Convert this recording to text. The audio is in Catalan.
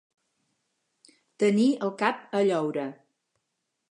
Tenir el cap a lloure.